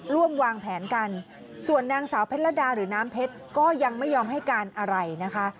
ร่วมวางแผนกันส่วนนางสาวเพชรดาหรือน้ำเพชรก็ยังไม่ยอมให้การอะไรนะคะ